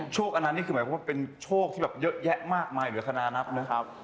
โชคอนันต์นี่คือหมายความว่าเป็นโชคที่เยอะแยะมากมาอยู่ในคณะนับ